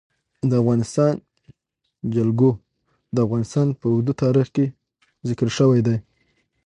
د افغانستان جلکو د افغانستان په اوږده تاریخ کې ذکر شوی دی.